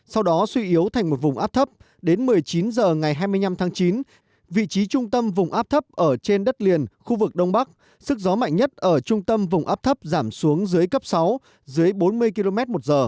sau đó suy yếu thành một vùng áp thấp đến một mươi chín h ngày hai mươi năm tháng chín vị trí trung tâm vùng áp thấp ở trên đất liền khu vực đông bắc sức gió mạnh nhất ở trung tâm vùng áp thấp giảm xuống dưới cấp sáu dưới bốn mươi km một giờ